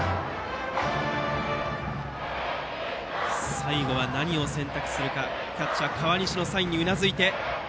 最後は何を選択するかキャッチャー河西のサインにうなずいて。